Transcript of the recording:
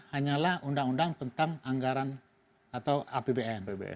hanyalah undang undang tentang anggaran atau apbn